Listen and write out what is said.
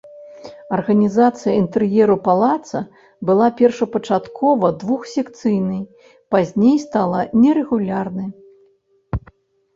Арганізацыя інтэр'еру палаца была першапачаткова двухсекцыйнай, пазней стала нерэгулярны.